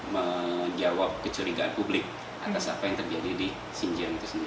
menjawab kecurigaan publik atas apa yang terjadi di xinjiang itu sendiri